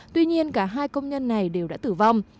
tuy nhiên cả hai công nhân này đều đã tử vong